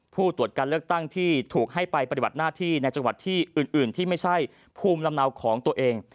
ผู้ตรวจการเลือกตั้งที่ถูกให้ไปปฏิบัติหน้าที่ในจังหวัดที่อื่นที่ไม่ใช่ภูมิลำเนาของตัวเอง